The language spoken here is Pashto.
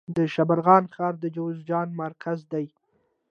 د شبرغان ښار د جوزجان مرکز دی